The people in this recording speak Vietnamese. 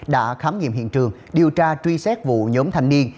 đã khám nghiệm hiện trường điều tra truy xét vụ nhóm thanh niên